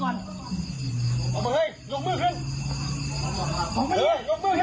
ออกมา๒หนีไป๗